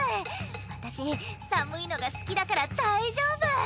「私寒いのが好きだから大丈夫」